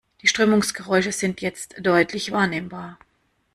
Die Strömungsgeräusche sind jetzt deutlich wahrnehmbar.